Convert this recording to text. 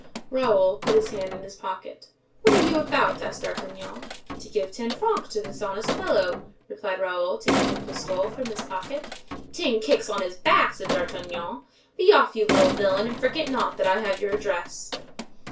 Raoul put his hand in his pocket. "What are you about?" asked D'Artagnan. "To give ten francs to this honest fellow," replied Raoul, taking a pistole from his pocket. "Ten kicks on his back!" said D'Artagnan; "be off, you little villain, and forget not that I have your address."